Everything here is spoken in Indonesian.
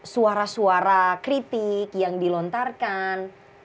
suara suara kritik yang dilontarkan